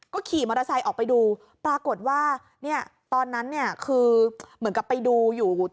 ขี่มอเตอร์ไซค์ออกไปดูปรากฏว่าเนี่ยตอนนั้นเนี่ยคือเหมือนกับไปดูอยู่